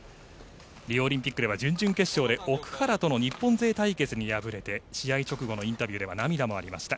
リオオリンピックでは準々決勝で奥原との日本勢対決に敗れて試合直後のインタビューでは涙もありました。